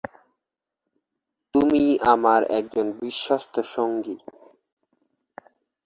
তুমি আমার একজন বিশ্বস্ত সঙ্গী।